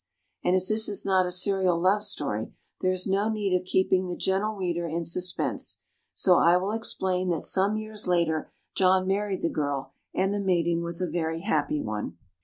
And as this is not a serial love story, there is no need of keeping the gentle reader in suspense, so I will explain that some years later John married the girl, and the mating was a very happy one.